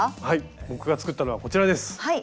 僕が作ったのはこちらです。